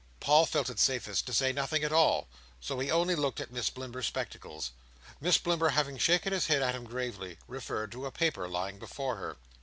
Paul felt it safest to say nothing at all, so he only looked at Miss Blimber's spectacles. Miss Blimber having shaken her head at him gravely, referred to a paper lying before her.